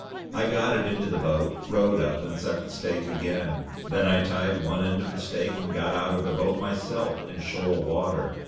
I got it into the boat, rowed up, and set the stake again. Then I tied one end to the stake and got out of the boat myself in shoal water.